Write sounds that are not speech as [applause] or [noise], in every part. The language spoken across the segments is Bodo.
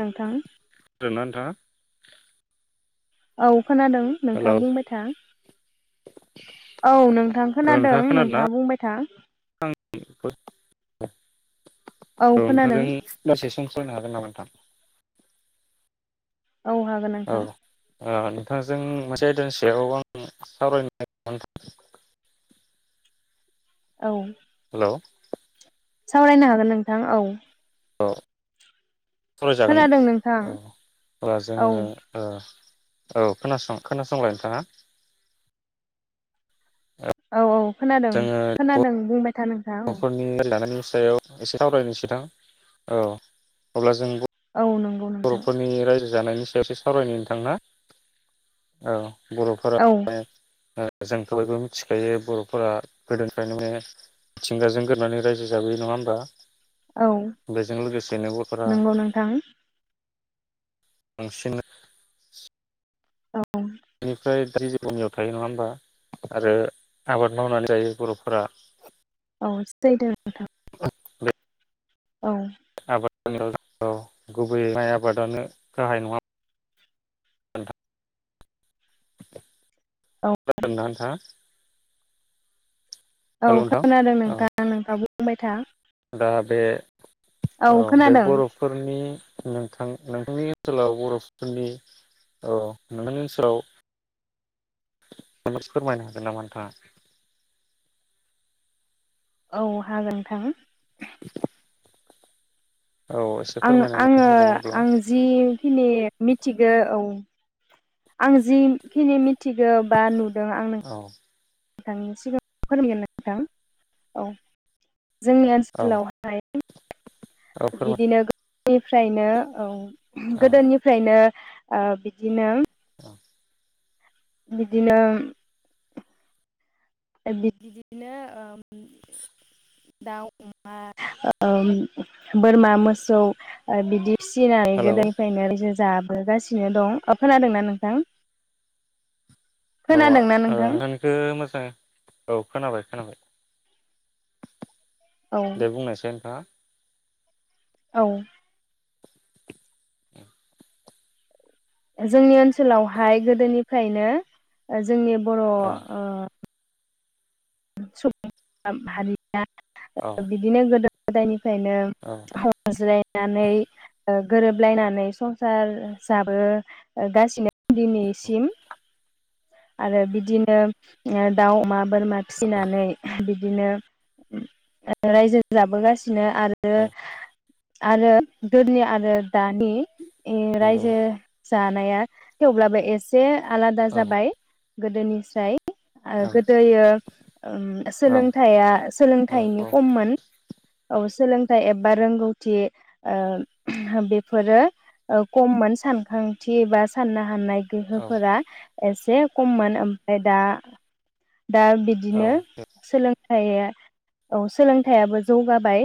नोंथां जोबनानै थांङा औ खोनादों नोंथाङा बुंबाय था औ नोंथां औ खोनादों खोनादोंना नोंथाङा बुंबाय था‌। आं औ नोंथांजों दसे सम सावरायनो हागोन नामा नोंथां। औ हागोन औ नोंथां। ओ नोंथांजों मोनसे आयदानि सायाव आं सावरायनो औ हेलौ सावरायनो हागोन नोंथां औ औ सरायजागोन ना खोनादों नोंथां औ बा औ जोंङो ओ औ खोनासं खोनासंलाय नोंथांङा औ औ खोनादों खोनादों बुंबाय था नोंथां औ न'खरनि [unintelligible] सायाव एसे सावरायनो [unintelligible] औ अब्ला जों औ नंगौ नोंथां बर'फोरनि रायजो जानायनि सायाव इसे सावरायनि नोंथांना औ बर'फोरा औ बाय ओ जोंखो बयबो मिथिखायो बर'फोरा गोदोनिफ्रायनो मिथिंगाजों गोरानै रायजो जाबोयो नङा होमबा? औ बेजों लोगोसेनो बरफोरा नंगौ नोंथां बांसिन [unintelligible] औ बेनिफ्राय [unintelligible] थायो नङा होमबा आरो आबाद मावनानै जायो बर'फोरा। औ [unintelligible] बे औ आबाद [unintelligible] गुबैयै माइ आबादानो गाहाय नङा होमबा औ [unintelligible] औ हेल' नोंथां खोनादों औ नोंथां नोंथांङा बुंबाय था। दा बे औ बे बर'फोरनि नोंथां नोंथांनि ओनसोलाव बर'फोरनि औ नोंथांनि ओनसोलाव माबा मोनसे फोरमायनो हागोन नामा नोंथांङा। औ हागोन नोंथां। [unintelligible] औ एसे आं फोरमायनानै आङो होलाय अब्ला आं जिखिनि मि थिगौ आं जिखिनि मिथिगौ बा नु दों आं नों औ थांनि सिगाङाव फोरमायगोन नोंथां औ जोंनि औ ओनसोलावहाय औ फोरमाय बेनिफ्रायनो औ औ गोदोनिफ्रायनो ओ बिदिनो औ बिदिनो बि-बिदिनो ओ दाउ, अमा, बोरमा, मोसौ बिदि फिसिनानै हेलौ गोदोनिफ्रायनो जाबोगासिनो दं। ओ खोनादोंना नोंथां? अ ओ खोनादोंना नोंथां नोंथांनि खो मोजां औ खोनाबाय खोनाबाय औ दे बुंनायसै नोंथाङा औ औ जोंनि ओनसोलावहाय गोदोनिफ्रायनो ओ जोंनि बर'ओ औ सुबुं हारि औ आं बिदिनो गोदो गोदायनि फ्रायनो औ [unintelligible] गोरोबलायनानै संसार जाबोगासिनो औ दिनैसिम आरो बिदिनो ओ दाउ, अमा, बोरमा फिसिनानै बिदिनो रायजो जाबोगासि नो आरो औ आरो गोदोनि आरो दानि नंगौ रायजो जानाया थेवब्लाबो एसे आलादा औ जाबाय गोदोनिस्राय ओ औ गोदोयो ओम सोलोंथाइया औ सोलोंथाइनि खममोन औ सोलोंथाइ एबा रोंगौथि ओ बेफोरो खममोन सानखांथि बा साननो हानाय औ गोहोफोरा एस ए खममोन ओमफ्राय दा दा औ बिदिनो सोलों थाइया औ सोलोंथाइयाबो जौगाबाय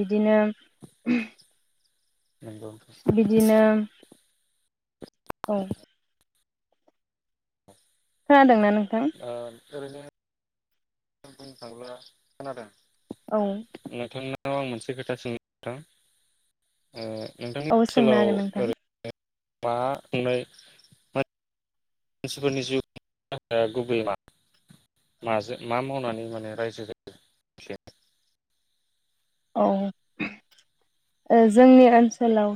बिदिनो नंगौ बिदिनो औ खोनादों ना नों थां ओ ओरैनो बुंनो थाङोब्ला खोनादों औ नोंथांना नाव आं मोनसे खोथा सोंनो नोंथां ओ नोंथांनि औ सोंनो ओनसोलाव हागोन नोंथां। ओरै [unintelligible] मानसिफोरनि जिउ [inaudible] गुबै मा माजों मा मावनानै माने रायजो जायो एसे औ ओ जोंनि ओनसोलाव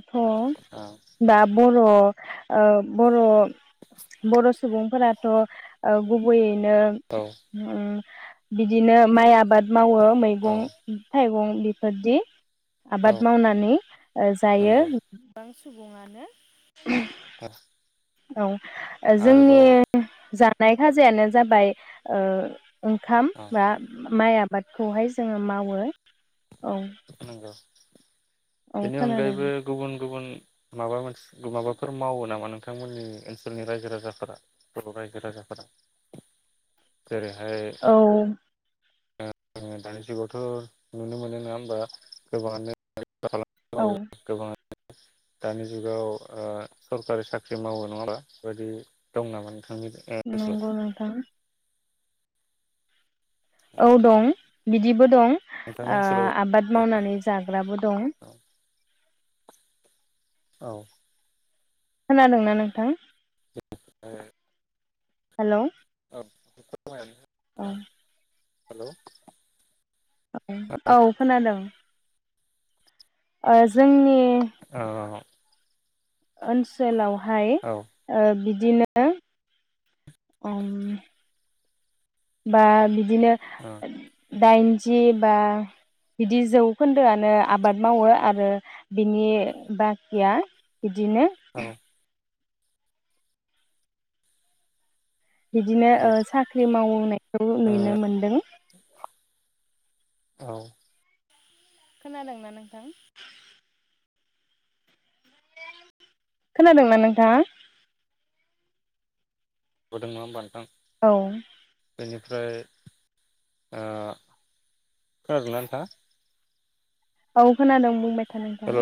औ थ' दाब बर' ओ बर' बर' सुबुंफोराथ' ओ गुबैयै नों औ अम बिदिनो माइ आबाद मावो औ मैगं थाइगं बेफोर दि औ आबाद मावनानै ओ जायो नंगौ गोबां सुबुङानो। [unintelligible] औ ओ जोंनि आरोबाव जा नाय खाजायानो जाबाय ओ ओंखाम औ बा माइ आबादखौहाय जोङो मावो‌ नंगौ औ बेनि खोनादों अनगायैबो गुबुन गुबुन माबा मोनसे माबाफोर मावो नामा नोंथांमोननि ओनसोलनि रायजो राजाफोरा बर' रायजो राजाफोरा? जेरैहाय औ [unintelligible] दानि जुगावथ' नुनो मोनो नङा होमबा गोबाङानो औ [unintelligible] दानि जुगाव ओ सरखारि साख्रि मावो नङा होनबा बे बायदि दं नामा? नोंथांनि ओनसोलाव नंगौ नोंथां। औ दं बिदिबो दं नोंथांनि ओ ओनसोलाव आबाद मावनानै जाग्राबो दं। औ खोनादोंना नोंथां [unintelligible] हेलौ औ औ हेलौ औ औ-औ खोनादों। ओ जोंनि औ ओनसोलाव हाय औ ओ बिद दिनो उम बा बि दिनो दाइनजि बा बिदि जौखोन्दोआनो आबाद मावो आरो बिनि बाखिया बिदिनो औ बिदिनो ओ साख्रि मावनायखौ नुनो मोनदों। औ। खोनादोंना नोंथां? खोनादोंना नोंथाङा? होदों नङामबा नोंथां। औ बेनिफ्राय ओ खोनादोंना नोंथाङा। औ खोनादों बुं बाय था नोंथां।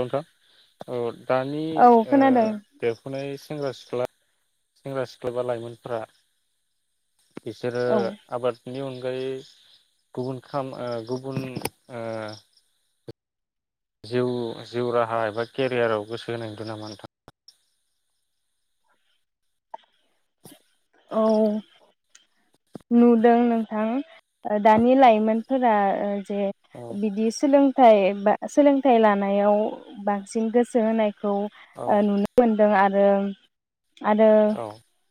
[unintelligible] दानि औ ओ खोनादों देरफुनाय सेंग्रा सिख्ला सेंग्रा सिख्ला बा लाइमोनफोरा बिसोरो औ आबादनि अन गायै गुबुन खाम ओ गुबुन ओ जिउ-जिउ राहा एबा केरियाराव गोसो होनाय नुदों नामा नोंथां। औ नुदों नोंथां ओ दानि लाइमोनफोरा ओ जे औ बिदि सोलों थाय बा सोलोंथाइ लानायाव बांसिन गोसो होनाय खौ औ ओ नुनो मोनदों आर [unintelligible] आरो औ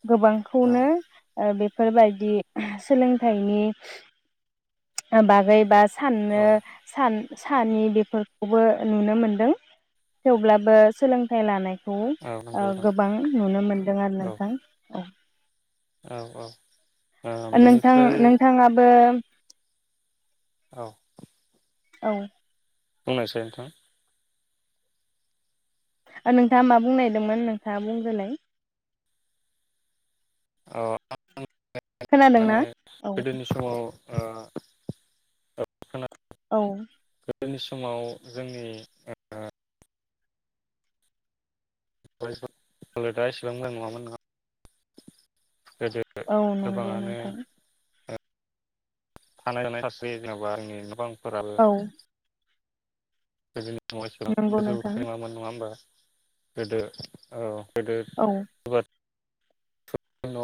गोबां औ खौनो ओ बेफोरबायदि सोलोंथाइनि बागै बा साननो औ सान सानि बेफोरखौबो नुनो मोनदों थेवब्लाबो सोलोंथाइ लानाय खौ औ नंगौ ओ नोंथां गोबां नुनो मोनदों आरो औ नोंथां। औ औ औ ओ ओनोंथां बेनिफ्राय नोंथाङाबो औ औ बुंनायसाय नोंथां नोंथाङा मा बुंनायदोंमोन नोंथाङा बुंग्रोलाय अ [inaudible] खोनादोंना? माने औ गोदोनि समाव ओ खोना औ गोदोनि समाव जोंनि दा एसेबां मोजां नङामोन ना औ नंगौ नोंथां थानाय जानाय गासे जेनबा गोबां फोराबो औ गोजोननि नङा इसेबां नंगौ गोजौआव थाख नोंथां नङामोन नङा होमबा गोदो औ गोदो औ आबाद [inaudible] ओ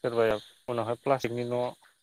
सोरबाया उनावहाय प्लास्टिकनि न'